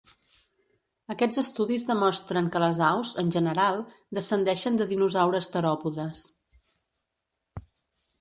Aquests estudis demostren que les aus, en general, descendeixen de dinosaures teròpodes.